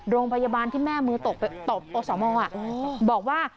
โรงพยาบาลที่แม่มือตกอสมบอกว่า